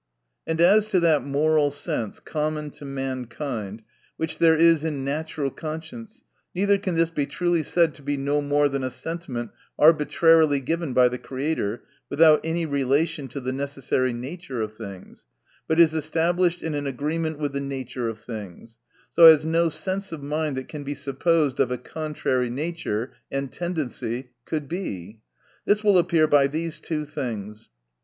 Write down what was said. And as to that moral sense, common to mankind, which there is in natural conscicme, neither can this be tiuly said to be no more than a sentiment ar bitrarily given by the Creator, without any relation to the necessary nature of things : but is established in an agreement with the nature of things ; so as no sense of mind that can be supposed, of a contrary nature and tendency could be. This will appear by these two things : 1.